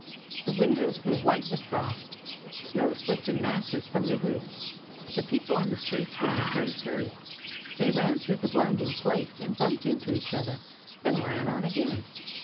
The windows were white with Frost. Snow slipped in masses from the roofs. The people on the streets were in a great hurry. They ran through the blinding flakes, and bumped into each other, then ran on again.